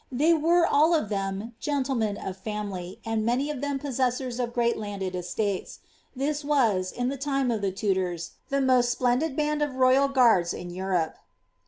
They were ail of them gentlemen of ftmily, aad many of them possessors of great landed estates. This was, in the time of the Tudors, the most splendid band of royal guards in Europe.